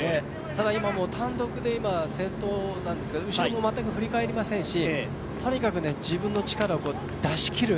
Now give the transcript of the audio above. ただ、今、単独で先頭なんですけど、後ろも全く振り返りませんしとにかく自分の力を出し切る。